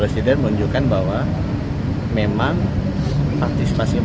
siap siap siap